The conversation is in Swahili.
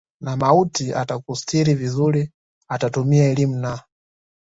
na mauti atakustiri vizuri atatumia elimu na